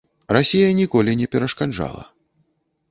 Расія ніколі не перашкаджала.